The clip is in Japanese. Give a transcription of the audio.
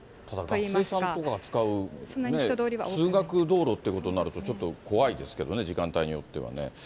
学生さんが使う通学道路ってことになると、ちょっと怖いですけどね、時間帯によってはね。